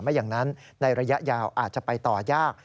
ไม่อย่างนั้นในระยะยาวอาจจะไปต่อยาก